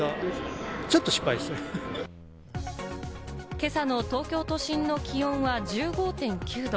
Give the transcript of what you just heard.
今朝の東京都心の気温は１５．９度。